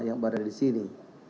yang berada di sini